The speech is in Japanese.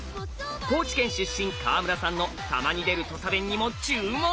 高知県出身川村さんのたまに出る土佐弁にも注目！